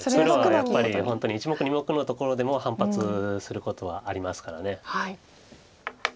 やっぱり本当に１目２目のところでも反発することはありますから。